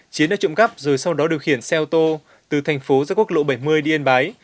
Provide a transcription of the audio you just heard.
chiến đã trộm cấp rồi sau đó điều khiển xe ô tô từ tp gia quốc lộ bảy mươi đi yên bái